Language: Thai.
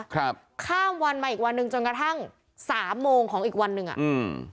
ครับข้ามวันมาอีกวันหนึ่งจนกระทั่งสามโมงของอีกวันหนึ่งอ่ะอืม